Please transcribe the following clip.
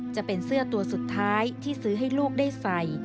จะเป็นเสื้อตัวสุดท้ายที่ซื้อให้ลูกได้ใส่